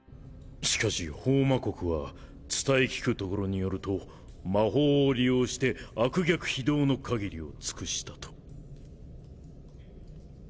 しかしホウマ国は伝え聞くところによると魔法を利用して悪逆非道の限りを尽くしたと。